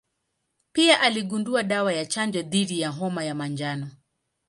Pia aligundua dawa ya chanjo dhidi ya homa ya manjano.